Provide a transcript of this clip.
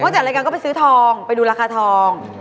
จัดรายการก็ไปซื้อทองไปดูราคาทอง